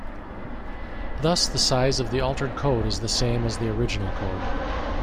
Thus the size of the altered code is the same as the original code.